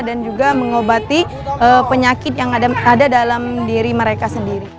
dan juga mengobati penyakit yang ada dalam diri mereka sendiri